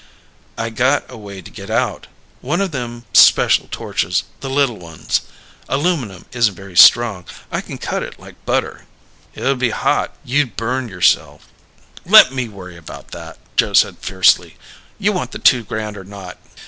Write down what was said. "I got a way to get out. One of them special torches. The little ones. Aluminum isn't very strong. I can cut it like butter." "It'd be hot. You'd burn yourself." "Let me worry about that," Joe said fiercely. "You want the two grand or not?"